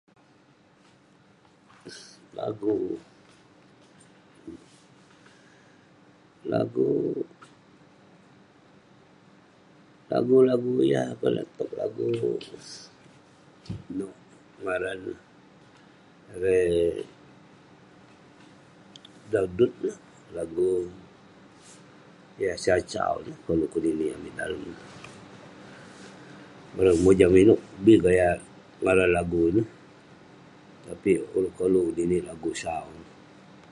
lagu, lagu..lagu lagu yah konak towk lagu..inouk ngaran neh, erei..dangdut lah, lagu yah sau sau ineh koluk keninik amik dalem ..bareng akouk inouk bi gaya ngaran lagu ineh tapik ulouk koluk ngeninik lagu sau